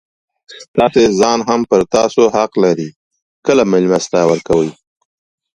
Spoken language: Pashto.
ستاسي ځان هم پر تاسو حق لري؛ کله مېلمستیا ورکوئ!